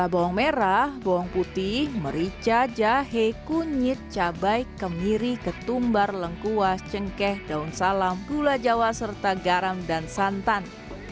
bawang merah bawang putih merica jahe kunyit cabai kemiri ketumbar lengkuas cengkeh daun salam gula jawa serta garam dan santan